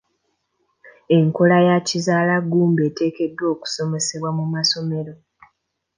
Enkola ya kizaala ggumba eteekeddwa okusomesebwa mu masomero,